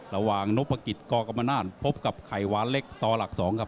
ระหว่างนกปรกิศกอร์กำมานาจพบกับไขว้นเล็กต่อหลักสองครับ